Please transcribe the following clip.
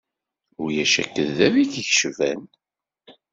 Ulac akeddab i k-yecban.